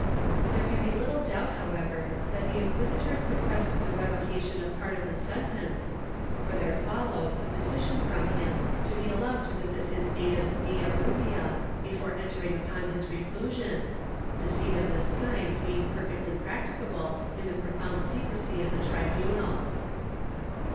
There can be httle doubt however that the inquisitors sup pressed the revocation of part of the sentence, for there follows a petition from him to be allowed to visit his native Villarubia before entering upon his reclusion, deceit of this kind being perfectly practicable in the profound secrecy of the tribunals.